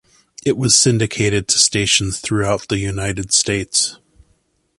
It was syndicated to stations throughout the United States.